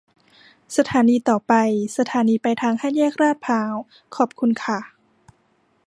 สถานีต่อไป สถานีปลายทางห้าแยกลาดพร้าว ขอบคุณค่ะ